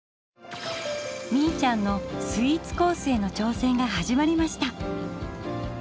みいちゃんのスイーツコースへの挑戦が始まりました。